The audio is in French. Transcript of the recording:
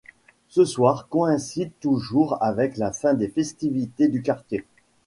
Ce soir coïncide toujours avec la fin des festivités du quartier.